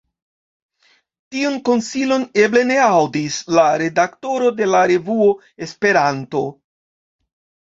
Tiun konsilon eble ne aŭdis la redaktoro de la revuo Esperanto.